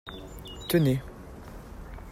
Tenez.